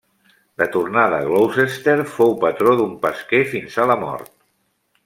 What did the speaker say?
De tornada a Gloucester, fou patró d'un pesquer fins a la mort.